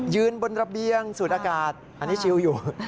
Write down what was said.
บนระเบียงสูดอากาศอันนี้ชิลอยู่